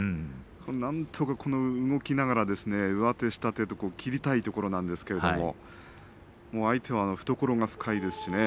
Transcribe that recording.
なんとか動きながら上手、下手切りたいところなんですが相手は懐が深いです。